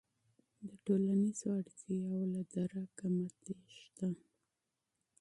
د ټولنیزو اړتیاوو له درکه مه تېښته.